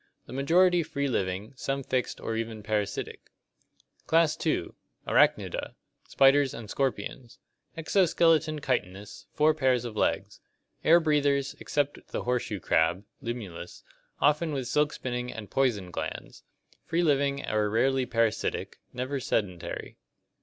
The majority free living, some fixed or even parasitic. Class II. Arachnida (Gr. apdxyrj, spider). Spiders and scorpions. Exo skeleton chitinous, four pairs of legs. Air breathers, except the horseshoe crab (Limulus), often with silk spinning and poison glands. Free living or rarely parasitic, never sedentary.